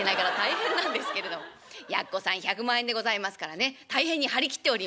やっこさん１００万円でございますからね大変に張り切っておりまして。